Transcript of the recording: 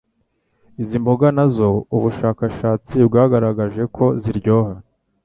Izi mboga nazo ubushakashatsi bwagaragaje ko ziryoha